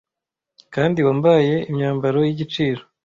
kandi wambaye imyambaro y igiciro